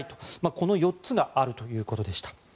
この４つがあるということでした。